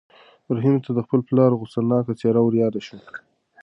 رحیم ته د خپل پلار غوسه ناکه څېره وریاده شوه.